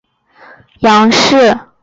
肃靖王继妃晏氏肃靖王次妃杨氏